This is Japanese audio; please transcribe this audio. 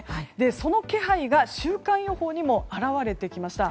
その気配が週間予報にも現れてきました。